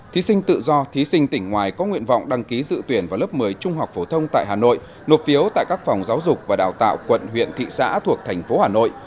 thí sinh tự do thí sinh tỉnh ngoài có nguyện vọng đăng ký dự tuyển vào lớp một mươi trung học phổ thông tại hà nội nộp phiếu tại các phòng giáo dục và đào tạo quận huyện thị xã thuộc thành phố hà nội